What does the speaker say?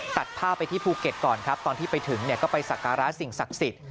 ตัดภาพไปที่ภูเก็ตก่อนครับตอนที่ไปถึงก็ไปสักการะสิ่งศักดิ์สิทธิ์